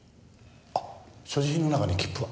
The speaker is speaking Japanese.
あっ所持品の中に切符は？